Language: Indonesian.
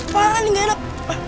parah nih gak enak